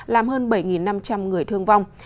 làm hơn bảy năm trăm linh người thương vong